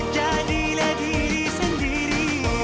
jadilah diri sendiri